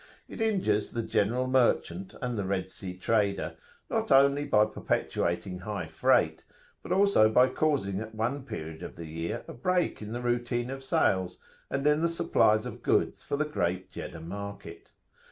It injures the general merchant and the Red Sea trader, not only by [p.171] perpetuating high freight,[FN#11] but also by causing at one period of the year a break in the routine of sales and in the supplies of goods for the great Jeddah market.